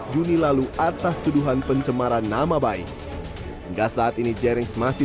delapan belas juni lalu atas tuduhan pencemaran nama baik enggak saat ini jaring masih